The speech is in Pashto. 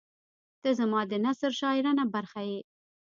• ته زما د نثر شاعرانه برخه یې.